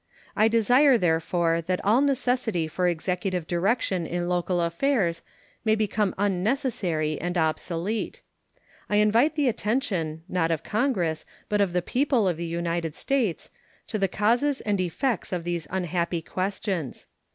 I desire, therefore, that all necessity for Executive direction in local affairs may become unnecessary and obsolete. I invite the attention, not of Congress, but of the people of the United States, to the causes and effects of these unhappy questions.